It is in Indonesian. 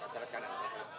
pak ceret kanan